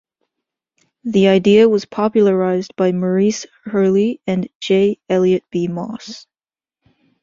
The idea was popularized by Maurice Herlihy and J. Eliot B. Moss.